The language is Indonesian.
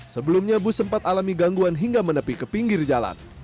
sebelumnya bus sempat alami gangguan hingga menepi ke pinggir jalan